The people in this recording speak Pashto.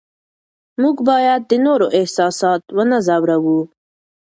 موږ باید د نورو احساسات ونه ځورو